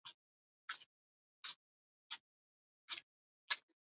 پانګوال ترڅو ګټه ونه ویني کار نه کوي